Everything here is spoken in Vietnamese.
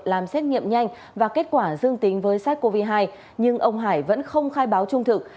làm xét nghiệm nhanh và kết quả dương tính với sars cov hai nhưng ông hải vẫn không khai báo trung thực